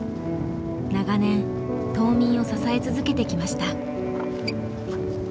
長年島民を支え続けてきました。